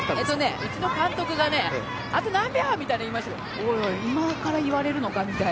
うちの監督があと何秒みたいに言われておいおい今から言われるのかみたいな。